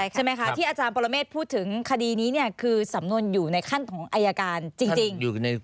ใช่ไหมคะที่อาจารย์ปรเมฆพูดถึงคดีนี้เนี่ยคือสำนวนอยู่ในขั้นของอายการจริง